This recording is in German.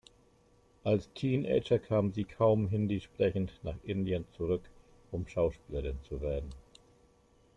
Als Teenager kam sie kaum Hindi sprechend nach Indien zurück, um Schauspielerin zu werden.